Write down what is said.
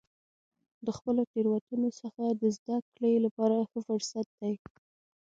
د خپلو تیروتنو څخه د زده کړې لپاره ښه فرصت دی.